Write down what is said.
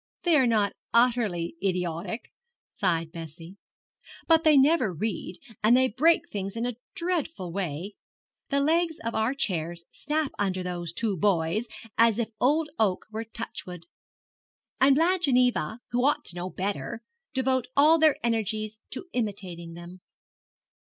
'They are not utterly idiotic,' sighed Bessie; 'but they never read, and they break things in a dreadful way. The legs of our chairs snap under those two boys as if old oak were touchwood; and Blanche and Eva, who ought to know better, devote all their energies to imitating them.'